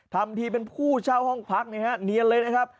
ทำทีเป็นผู้เช่าห้องพักนะฮะเนียนเลยนะครับ